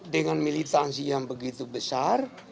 dengan militansi yang begitu besar